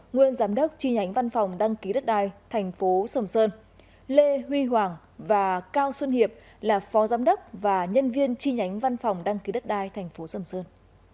nguyễn giám đốc chi nhánh văn phòng đăng ký đất đai thành phố sầm sơn lê huy hoàng và cao xuân hiệp là phó giám đốc và nhân viên chi nhánh văn phòng đăng ký đất đai thành phố sầm sơn